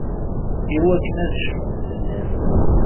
Iwakken ad cfun fell-as.